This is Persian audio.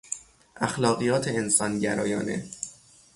اخلاقیات انسان گرایانه